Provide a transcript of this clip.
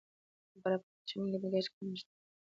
د فراه په پرچمن کې د ګچ کان شته.